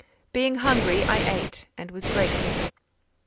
Being hungry, I ate and was grateful.